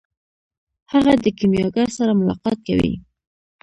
هغه د کیمیاګر سره ملاقات کوي.